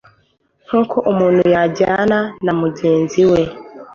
nk uko umuntu yajyana na mugenzi we